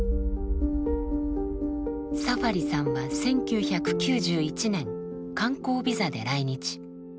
サファリさんは１９９１年観光ビザで来日。